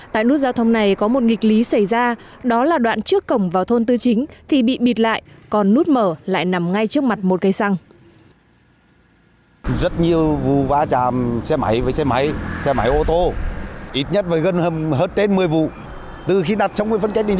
tại nút giao thông này có một nghịch lý xảy ra đó là đoạn trước cổng vào thôn tư chính thì bị bịt lại còn nút mở lại nằm ngay trước mặt một cây xăng